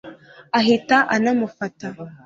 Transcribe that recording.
ahita anamufata